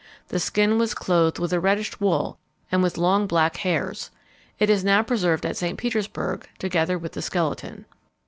The skin was clothed with a reddish wool, and with long black hairs. It is now preserved at St. Petersburg, together with the skeleton."